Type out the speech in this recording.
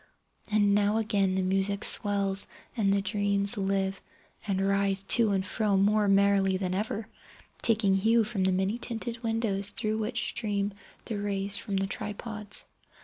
And now again the music swells, and the dreams live, and writhe to and fro more merrily than ever, taking hue from the many tinted windows through which stream the rays from the tripods.